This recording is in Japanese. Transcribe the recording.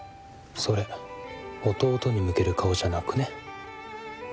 それ弟に向ける顔じゃなくね？